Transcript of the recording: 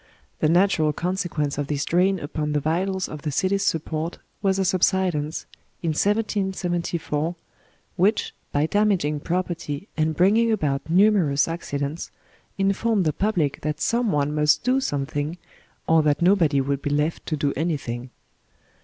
The natural conse quence of this drain upon the vitals of the city's support was a subsidence, in 1774, which, by damaging property and bringing about numerous accidents, informed the pub lic that some one must do something, or that nobody would be left to do anything.